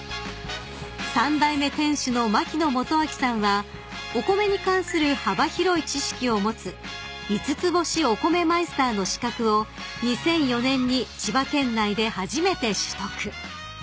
［三代目店主の牧野基明さんはお米に関する幅広い知識を持つ五ツ星お米マイスターの資格を２００４年に千葉県内で初めて取得］